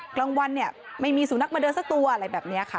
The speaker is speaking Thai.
กลางวันเนี่ยไม่มีสุนัขมาเดินสักตัวอะไรแบบนี้ค่ะ